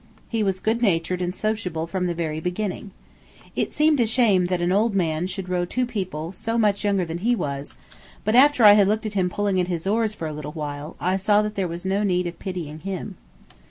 He was good natured and sociable from the very beginning. It seemed a shame that an old man should row two people so much younger than he was, but after I had looked at him pulling at his oars for a little while, I saw that there was no need of pitying him.